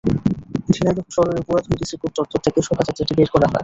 ঝিনাইদহ শহরের পুরাতন DC court চত্বর থেকে শোভাযাত্রাটি বের করা হয়।